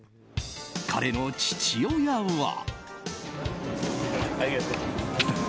彼の父親は。